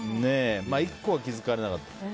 １個は気づかれなかった。